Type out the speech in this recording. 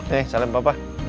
nih salam papa